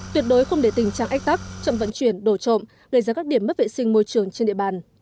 tuyệt đối không để tình trạng ách tắc chậm vận chuyển đổ trộm gây ra các điểm mất vệ sinh môi trường trên địa bàn